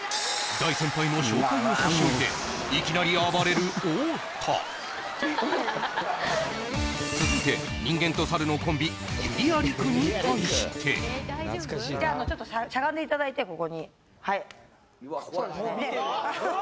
大先輩の紹介を差し置いていきなり暴れる太田続いて人間とサルのコンビに対してちょっとしゃがんでいただいてここにうわっ怖いうわ！